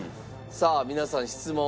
さあ皆さん質問。